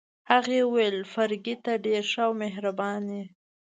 هغې وویل: فرګي، ته ډېره ښه او مهربانه يې.